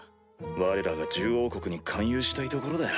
われらが獣王国に勧誘したいところだよ。